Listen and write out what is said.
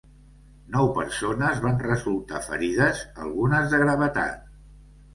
Nou persones van resultar ferides, algunes de gravetat.